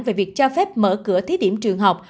về việc cho phép mở cửa thí điểm trường học